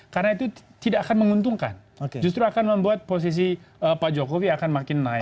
karena itu tidak akan menguntungkan justru akan membuat posisi pak jokowi akan makin naik